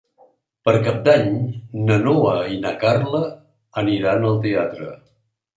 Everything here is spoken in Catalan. Per Cap d'Any na Noa i na Carla aniran al teatre.